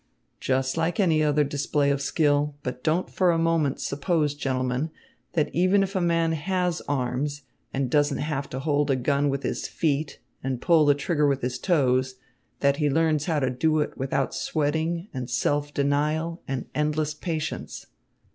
"Just like any other display of skill. But don't for a moment suppose, gentlemen, that even if a man has arms and doesn't have to hold the gun with his feet and pull the trigger with his toes, that he learns how to do it without sweating and self denial and endless patience."